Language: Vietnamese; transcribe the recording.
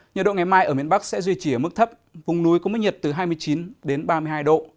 nhiệt độ ngày mai ở miền bắc sẽ duy trì ở mức thấp vùng núi có mức nhiệt từ hai mươi chín đến ba mươi hai độ